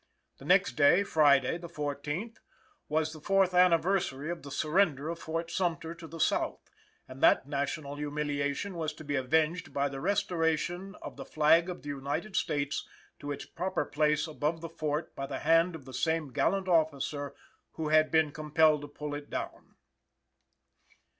The next day, Friday the 14th, was the fourth anniversary of the surrender of Fort Sumter to the South, and that national humiliation was to be avenged by the restoration of the flag of the United States to its proper place above the fort by the hand of the same gallant officer who had been compelled to pull it down.